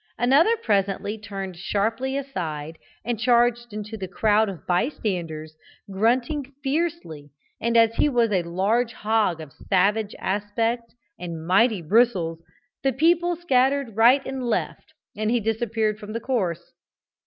Another presently turned sharply aside and charged into the crowd of bystanders, grunting fiercely, and as he was a large hog of savage aspect and mighty bristles, the people scattered right and left and he disappeared from the course.